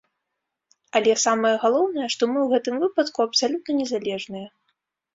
Але самае галоўнае, што мы ў гэтым выпадку абсалютна незалежныя.